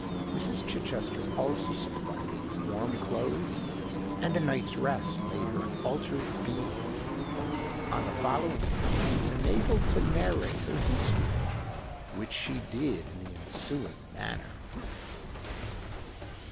Mrs. Chichester also supplied her with warm clothes; and a night's rest made her an altered being. On the following day she was enabled to narrate her history, which she did in the ensuing manner.